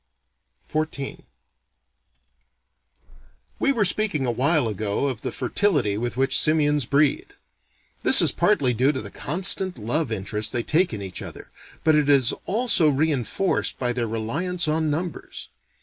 XIV We were speaking a while ago of the fertility with which simians breed. This is partly due to the constant love interest they take in each other, but it is also reenforced by their reliance on numbers.